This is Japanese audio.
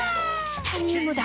チタニウムだ！